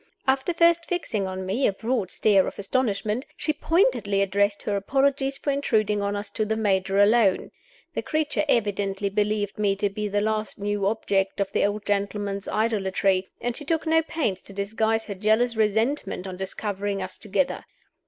After first fixing on me a broad stare of astonishment, she pointedly addressed her apologies for intruding on us to the Major alone. The creature evidently believed me to be the last new object of the old gentleman's idolatry; and she took no pains to disguise her jealous resentment on discovering us together.